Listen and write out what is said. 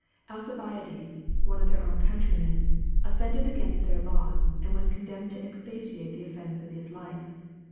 Alcibiades, one of their own countrymen, offended against their laws, and was condemned to expiate the offence with his life.